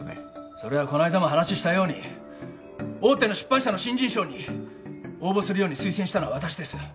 それはこの間も話したように大手の出版社の新人賞に応募するように推薦したのは私です。